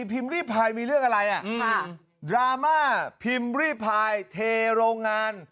พิมพ์รีพายมีเรื่องอะไรอ่ะค่ะดราม่าพิมพ์รีพายเทโรงงาน